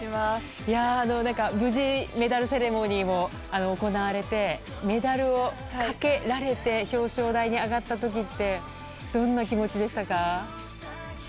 無事、メダルセレモニーも行われてメダルをかけられて表彰台に上がった時ってどんな気持ちでしたか？